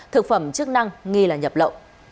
thực phẩm chức năng nghi là nhập lộ